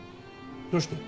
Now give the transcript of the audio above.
どうして？